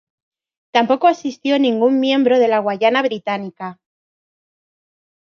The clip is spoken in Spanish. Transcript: Tampoco asistió ningún miembro de la Guayana británica.